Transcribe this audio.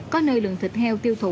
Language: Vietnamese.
có nơi lượng thịt heo tiêu thụ